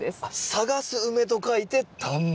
「探す梅」と書いて「探梅」。